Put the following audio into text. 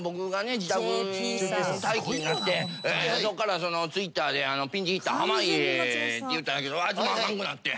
自宅待機になってそっからＴｗｉｔｔｅｒでピンチヒッター濱家って言うたんやけどあいつもあかんくなって。